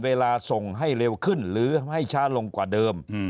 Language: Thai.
เวลาส่งให้เร็วขึ้นหรือให้ช้าลงกว่าเดิม